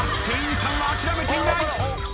店員さんは諦めていない。